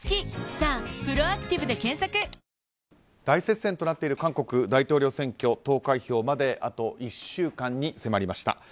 大接戦となっている韓国大統領選挙投開票まであと１週間に迫りました。